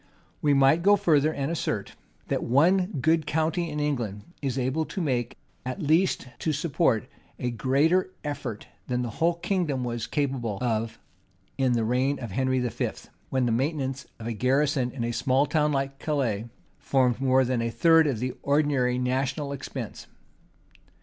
And we might go further, and assert, that one good county in England is able to make, at least to support, a greater effort than the whole kingdom was capable of in the reign of Henry V.; when the maintenance of a garrison in a small town like Calais, formed more than a third of the ordinary national expense.